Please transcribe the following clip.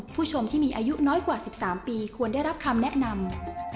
ผู้ชมที่มีอายุน้อยกว่า๑๓ปีควรได้รับคำแนะนำ